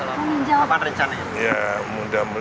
oh mau menjawab